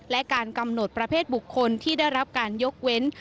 และการกำหนดประเภทบุคคลที่ได้รับการยกเว้น